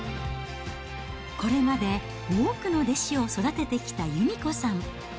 これまで多くの弟子を育ててきた由美子さん。